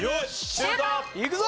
シュート！